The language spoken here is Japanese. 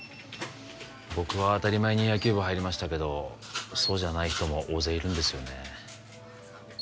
僕は当たり前に野球部入りましたけどそうじゃない人も大勢いるんですよね